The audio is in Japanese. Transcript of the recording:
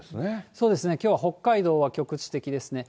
そうですね、きょうは北海道は局地的ですね。